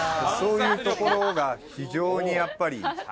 そういうところが非常にやっぱり。